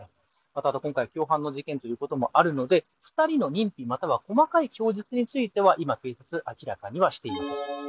ただ、今回共犯の事件ということもあるので２人の認否、または細かい供述については今、警察は明らかにはしていません。